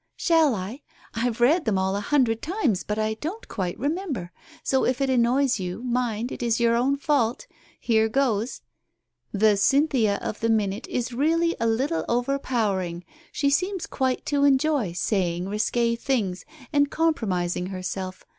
"Shall I? I've read them all a hundred times, but I don't quite remember, so if it annoys you, mind, it is your own fault. Here goes !' The Cynthia of the Minute is really a little overpowering. She seems quite to enjoy saying risque things and compromising her self.